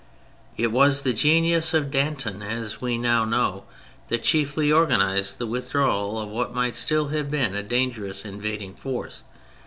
It was the genius of Danton, as we now know, that chiefly organised the withdrawal of what might still have been a dangerous invading force.